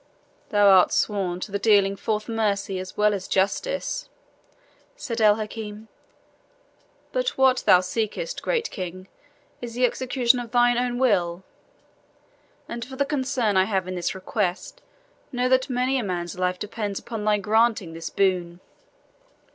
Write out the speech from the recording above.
"Thou art sworn to the dealing forth mercy as well as justice," said El Hakim; "but what thou seekest, great King, is the execution of thine own will. And for the concern I have in this request, know that many a man's life depends upon thy granting this boon."